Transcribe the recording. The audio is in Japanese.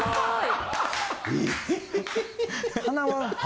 はい。